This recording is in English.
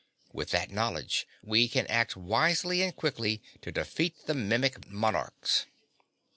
With that knowledge we can act wisely and quickly to defeat the Mimic Monarchs."